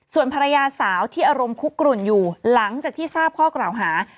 ส่วนภรรยาสาวที่อารมณ์คุกกลุ่นอยู่หลังจากที่ทราบข้อกล่าวหา